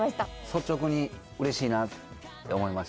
率直に嬉しいなって思いました